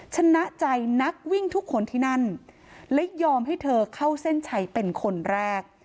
ชนะใจนักวิ่งทุกคนที่นั่นและยอมให้เธอเข้าเส้นชัยเป็นคนแรก